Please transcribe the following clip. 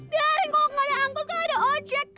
biarin kalo gaada angkot kan ada ojek